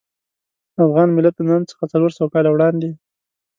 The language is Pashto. افغان ملت له نن څخه څلور سوه کاله وړاندې.